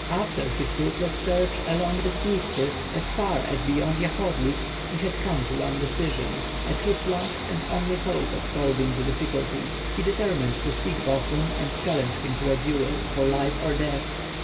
After his fruit less search along the Dniester, as far as beyond Yahorlik, he had come to one decision, as his last and only hope of solving the difficulty. He determined to seek Bohun and challenge him to a duel, for life or death.